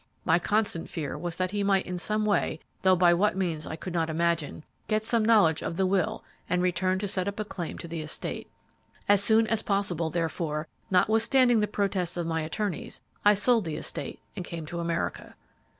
My constant fear was that he might in some way though by what means I could not imagine get some knowledge of the will and return to set up a claim to the estate. As soon as possible, therefore, notwithstanding the protests of my attorneys, I sold the estate and came to America.